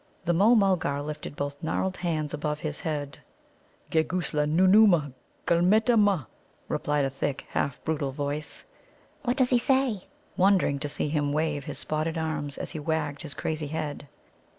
The Môh mulgar lifted both gnarled hands above his head. "Geguslar nōōma gulmeta mūh!" replied a thick, half brutal voice. "What does he say?" said Nod, wondering to see him wave his spotted arms as he wagged his crazy head.